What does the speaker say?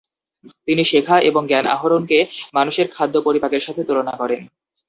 তিনি শেখা এবং জ্ঞান আহরণকে মানুষের খাদ্য-পরিপাকের সাথে তুলনা করেন।